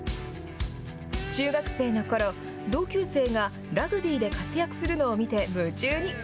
中学生のころ、同級生がラグビーで活躍するのを見て夢中に。